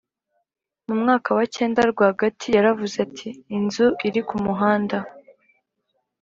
mu mwaka wa cyenda rwagati Yaravuze ati inzu iri ku muhanda